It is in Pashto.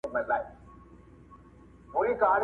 بیا دي ملالي سترګي سرې دي